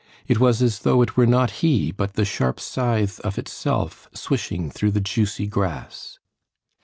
It was as though it were not he but the sharp scythe of itself swishing through the juicy grass.